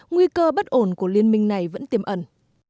nguy cơ bất ổn của liên minh này vẫn tiềm ẩn